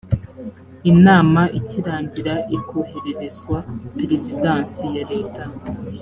inama ikirangira ikohererezwa perezidansi ya leta